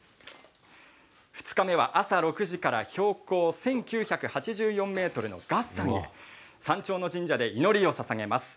２日目は朝６時から標高１９８４ｍの月山へ山頂の神社で祈りをささげます。